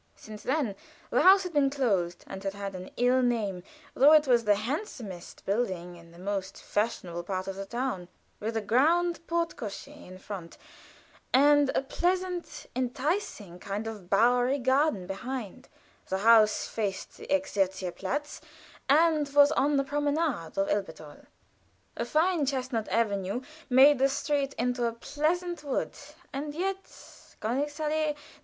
Since then the house had been closed, and had had an ill name, though it was the handsomest building in the most fashionable part of the town, with a grand porte cochère in front, and a pleasant, enticing kind of bowery garden behind the house faced the Exerzierplatz, and was on the promenade of Elberthal. A fine chestnut avenue made the street into a pleasant wood, and yet Königsallée No.